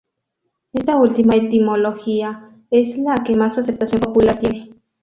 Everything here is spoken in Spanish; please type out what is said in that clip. Esta última etimología es la que más aceptación popular tiene.